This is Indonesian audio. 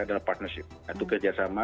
adalah partnership atau kerjasama